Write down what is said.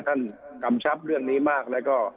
กำชับเรื่องนี้มากแล้วก็